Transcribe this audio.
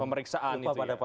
pemeriksaan itu ya